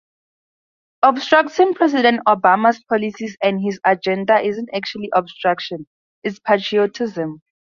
Obstructing President Obama's policies and his agenda isn't actually obstruction; it's patriotism.